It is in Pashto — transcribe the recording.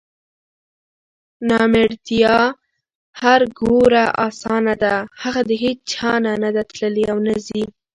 نامېړتیا هر ګوره اسانه ده هغه د هیچا نه نده تللې اونه ځي